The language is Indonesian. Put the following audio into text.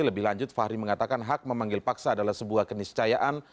lebih lanjut fahri mengatakan hak memanggil paksa adalah sebuah keniscayaan